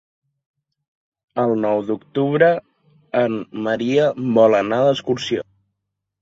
El nou d'octubre en Maria vol anar d'excursió.